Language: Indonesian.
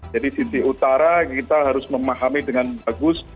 jadi di sisi utara kita harus memahami dengan bagus